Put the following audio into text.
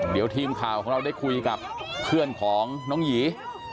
เดี๋ยวทีมข่าวของเราได้คุยกับเพื่อนของน้องหยี